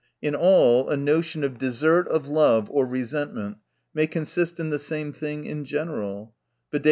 In all, a notion of desert of love, or resentment, may consist in the same thing, in gen eral, viz.